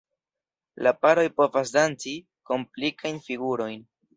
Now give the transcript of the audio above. La paroj povas danci komplikajn figurojn.